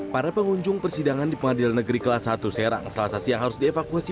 para pengunjung persidangan di pengadilan negeri kelas satu serang selasa siang harus dievakuasi